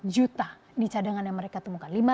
lima ratus juta di cadangan yang mereka temukan